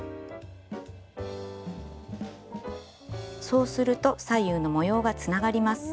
そうすると左右の模様がつながります。